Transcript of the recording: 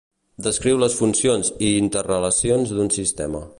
Descriu les funcions i interrelacions d'un sistema.